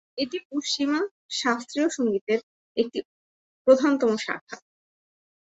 এটি পশ্চিমা শাস্ত্রীয় সঙ্গীতের একটি প্রধানতম শাখা।